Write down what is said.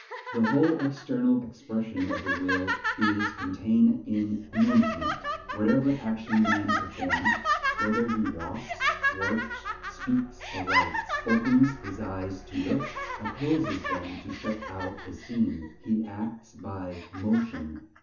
The whole external expression of the will is contained in movement: whatever action man performs, whether he walks, works, speaks or writes, opens his eyes to look, or closes them to shut out a scene, he acts by "motion."